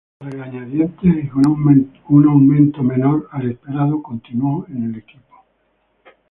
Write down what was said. A regañadientes y con un aumento menor al esperado, continuó en el equipo.